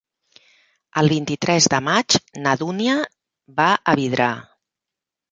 El vint-i-tres de maig na Dúnia va a Vidrà.